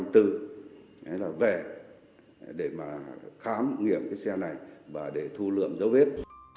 thế là về để mà khám nghiệm cái xe này và để thu lượm dấu viết